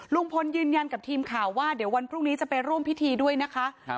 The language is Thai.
ลุงพลยืนยันกับทีมข่าวว่าเดี๋ยววันพรุ่งนี้จะไปร่วมพิธีด้วยนะคะ